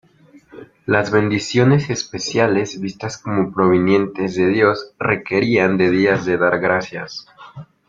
Las bendiciones especiales, vistas como provenientes de Dios, requerían de días de dar gracias.